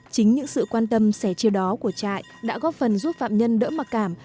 chính những sự quan tâm sẻ chia đó của trại đã góp phần giúp phạm nhân đỡ mặc cảm